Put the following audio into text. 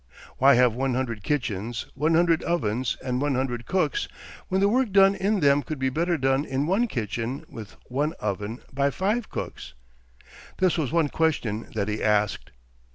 Why have one hundred kitchens, one hundred ovens, and one hundred cooks, when the work done in them could be better done in one kitchen, with one oven, by five cooks? This was one question that he asked.